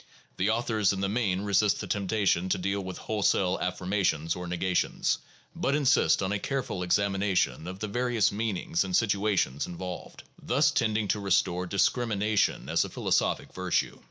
The authors in the main resist the temptation to deal with wholesale affirmations or negations, but insist on a careful ex amination of the various meanings and situations involved, thus tending to restore discrimination as a philosophic virtue.